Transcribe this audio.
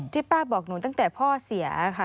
ป้าบอกหนูตั้งแต่พ่อเสียค่ะ